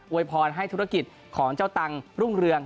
วยพรให้ธุรกิจของเจ้าตังค์รุ่งเรือง